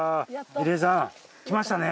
入江さんきましたね。